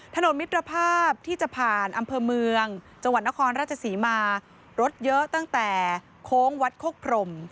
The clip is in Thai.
ถนนมิตรภาพที่จะผ่านอำเภอเมืองจังหวัดนครราชศรีมารถเยอะตั้งแต่โค้งวัดโคกพรม